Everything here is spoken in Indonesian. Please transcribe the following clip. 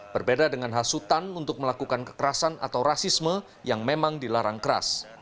berbeda dengan hasutan untuk melakukan kekerasan atau rasisme yang memang dilarang keras